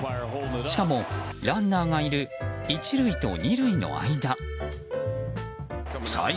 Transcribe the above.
しかもランナーがいる１塁と２塁の間。